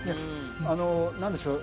あの何でしょう？